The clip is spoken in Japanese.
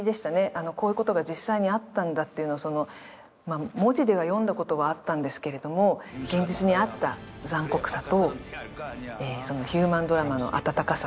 こういうことが実際にあったんだっていうのを文字では読んだことはあったんですけれども現実にあった残酷さとヒューマンドラマの温かさっていう